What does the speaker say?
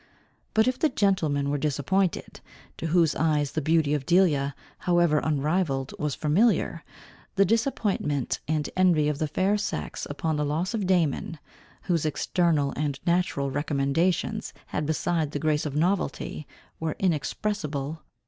But if the gentlemen were disappointed, to whose eyes the beauty of Delia, however unrivalled, was familiar, the disappointment and envy of the fair sex upon the loss of Damon, whose external and natural recommendations had beside the grace of novelty, were inexpressible.